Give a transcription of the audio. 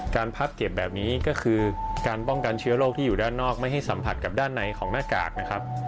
พับเก็บแบบนี้ก็คือการป้องกันเชื้อโรคที่อยู่ด้านนอกไม่ให้สัมผัสกับด้านในของหน้ากากนะครับ